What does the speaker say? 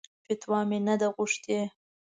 فتوا مې نه ده غوښتې.